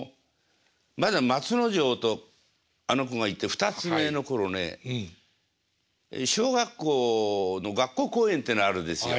まだ松之丞とあの子がいって二つ目の頃ね小学校の学校公演というのがあるんですよ。